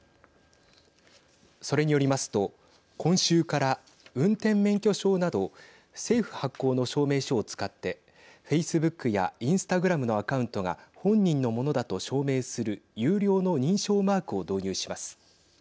それによりますと今週から運転免許証など政府発行の証明書を使ってフェイスブックやインスタグラムのアカウントが本人のものだと証明する有料の認証マークを導入します。